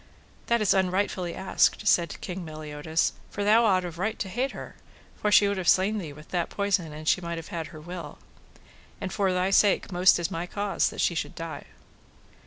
That is unrightfully asked, said King Meliodas, for thou ought of right to hate her, for she would have slain thee with that poison an she might have had her will; and for thy sake most is my cause that she should die.